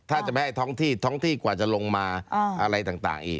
ถ้าจะไม่ให้ท้องที่ท้องที่กว่าจะลงมาอะไรต่างอีก